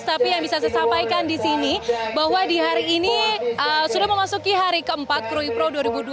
tapi yang bisa saya sampaikan di sini bahwa di hari ini sudah memasuki hari keempat krui pro dua ribu dua puluh